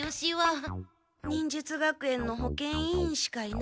忍術学園の保健委員しかいない。